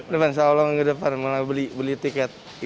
seolah olah minggu depan malah beli tiket